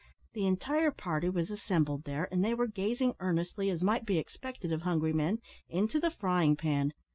The entire party was assembled there, and they were gazing earnestly, as might be expected of hungry men, into the frying pan.